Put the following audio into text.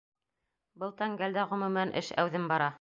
Был тәңгәлдә, ғөмүмән, эш әүҙем бара.